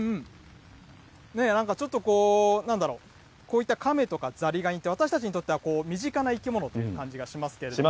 なんかちょっとこう、なんだろう、こういったカメとかザリガニって私たちにとっては身近な生き物という感じがしますけれども。